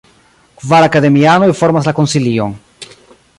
Kvar akademianoj formas la konsilion.